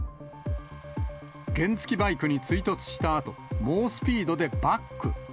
原付きバイクに追突したあと、猛スピードでバック。